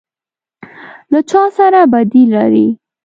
_ له چا سره بدي لری؟